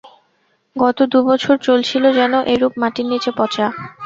গত দু-বছর চলছিল যেন এইরূপ মাটির নীচে পচা।